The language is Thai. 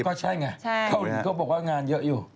ก็ใช่ไหมเขานี่บอกว่างานเยอะอยู่